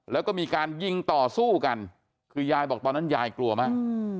แล้วก็มีการยิงต่อสู้กันคือยายบอกตอนนั้นยายกลัวมาก